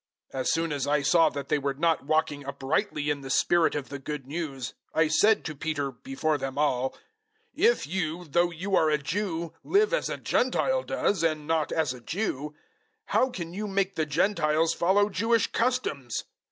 002:014 As soon as I saw that they were not walking uprightly in the spirit of the Good News, I said to Peter, before them all, "If you, though you are a Jew, live as a Gentile does, and not as a Jew, how can you make the Gentiles follow Jewish customs?